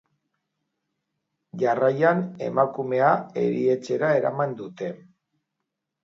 Jarraian, emakumea erietxera eraman dute.